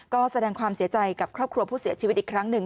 ก็แสดงความเสียใจกับครอบครัวผู้เสียชีวิตอีกครั้งหนึ่ง